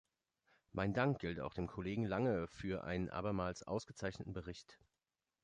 Mein Dank gilt auch dem Kollegen Lange für einen abermals ausgezeichneten Bericht.